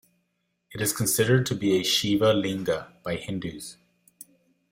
It is considered to be a Shiva Linga by Hindus.